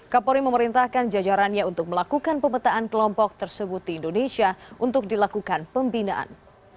kapolri memerintahkan jajarannya untuk melakukan pemetaan kelompok tersebut di indonesia untuk dilakukan pembinaan